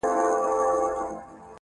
میاشتي کلونه زمانه به ستا وي-